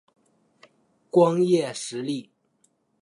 光叶石栎